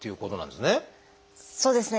そうですね。